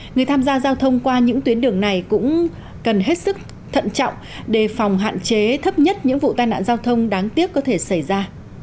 người tham gia giao thông qua những tuyến đường này cũng cần hết sức thận trọng đề phòng hạn chế thấp nhất những vụ tai nạn giao thông đáng tiếc có thể xảy ra